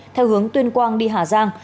theo hướng tuyên quang đi hà giang